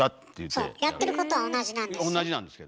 そうやってることは同じなんですよ。